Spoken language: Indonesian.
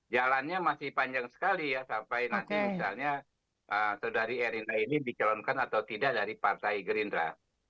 jalannya masih panjang sekali ya sampai nanti misalnya saudari erina ini dicalonkan atau tidak dari partai gerindra